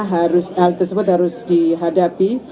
hal tersebut harus dihadapi